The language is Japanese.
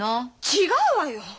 違うわよ！